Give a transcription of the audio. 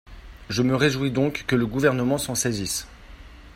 Je me réjouis donc que le Gouvernement s’en saisisse.